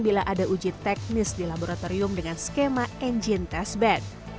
bila ada uji teknis di laboratorium dengan skema engine test bed